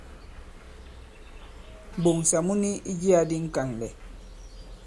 M̀ɓoŋsà mu ni i jiyā di ŋ̀kànlɛ̀.